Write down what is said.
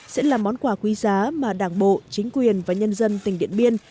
sẽ là món quà quý giá mà đảng bộ chính quyền và nhân dân tỉnh điện biên